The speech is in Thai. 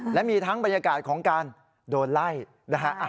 และมีทั้งบรรยากาศของการโดนไล่นะฮะ